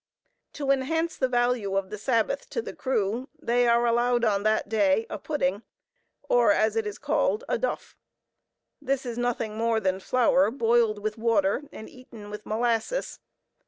To enhance the value of the Sabbath to the crew, they are allowed on that day a pudding, or as it is called a "duff." This is nothing more than flour boiled with water, and eaten with molasses.